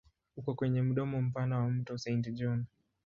Uko kwenye mdomo mpana wa mto Saint John.